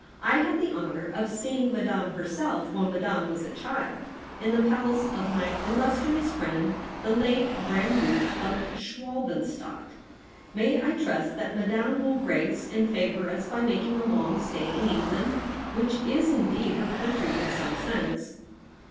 I had the honour of seeing Madame herself MARY BEATON. 79 when Madame was a child, in the palace of my illustrious friend the late Grand Duke of Schwalbenstadt. May I trust that Madame will grace and favour us by making a long stay in England? — which is indeed her country in some sense.'